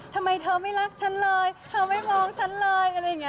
ทำไมเธอไม่รักฉันเลยเธอไม่มองฉันเลยอะไรอย่างนี้